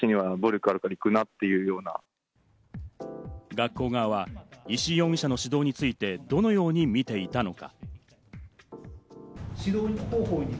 学校側は石井容疑者の指導について、どのように見ていたのか？